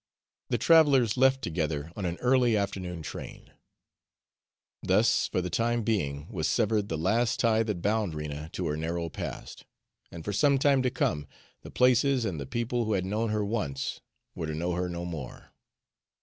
The travelers left together on an early afternoon train. Thus for the time being was severed the last tie that bound Rena to her narrow past, and for some time to come the places and the people who had known her once were to know her no more.